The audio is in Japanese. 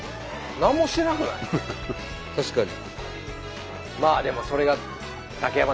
確かに。